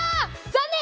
残念！